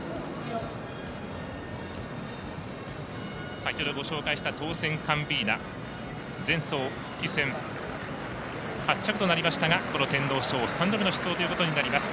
先ほどご紹介したトーセンカンビーナ前走、復帰戦８着となりましたがこの天皇賞、３度目の出場ということになります。